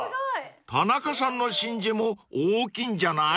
［田中さんの真珠も大きいんじゃない？］